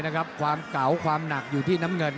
โอเล่นะครับความเก๋าความหนักอยู่ที่น้ำเงิน